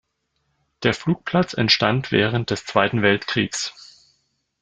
Der Flugplatz entstand während des Zweiten Weltkriegs.